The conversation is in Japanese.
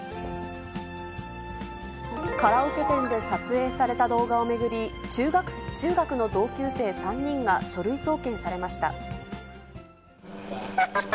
カラオケ店で撮影された動画を巡り、中学の同級生３人が書類送検されました。